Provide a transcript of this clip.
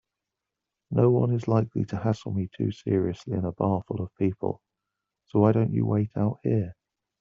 Noone is likely to hassle me too seriously in a bar full of people, so why don't you wait out here?